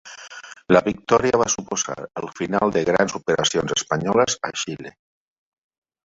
La victòria va suposar el final de grans operacions espanyoles a Xile.